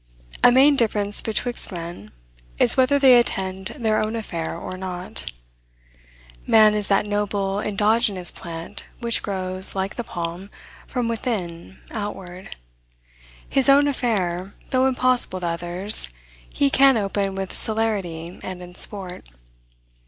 A main difference betwixt men is, whether they attend their own affair or not. Man is that noble endogenous plant which grows, like the palm, from within, outward. His own affair, though impossible to others, he can open with celerity and in sport.